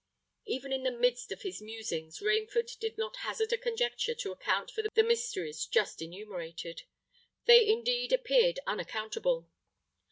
Even in the midst of his musings, Rainford did not hazard a conjecture to account for the mysteries just enumerated. They indeed appeared unaccountable.